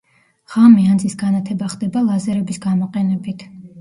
ღამე ანძის განათება ხდება ლაზერების გამოყენებით.